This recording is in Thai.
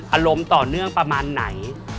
อารมณ์ต่อเนื่องประมาณไหน